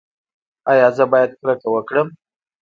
ایا زه باید کرکه وکړم؟